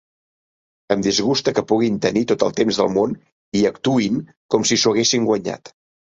Em disgusta que puguin tenir tot el temps del món i actuïn com si s'ho haguessin guanyat.